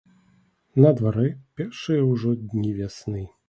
На дварэ першыя ўжо дні вясны.